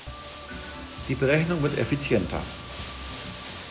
Die Berechnung wird effizienter.